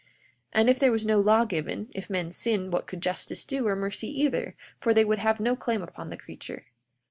42:21 And if there was no law given, if men sinned what could justice do, or mercy either, for they would have no claim upon the creature?